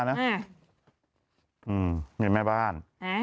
เห็นแม่บ้าน